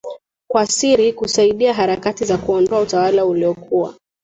Kwa siri kusaidia harakati za kuondoa utawala uliokuwa